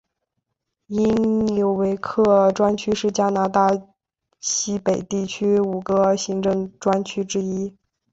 因纽维克专区是加拿大西北地区五个行政专区之一。